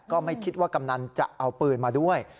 ก็ไม่คิดว่ากำนันจะเอาปืนมาด้วย